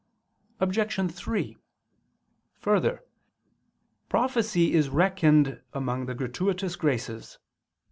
Obj. 3: Further, prophecy is reckoned among the gratuitous graces.